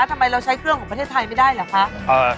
ทำไมเราใช้เครื่องของประเทศไทยไม่ได้เหรอคะ